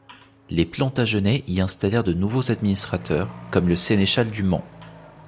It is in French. Les Plantagenêts y installèrent de nouveaux administrateurs, comme le sénéchal du Mans.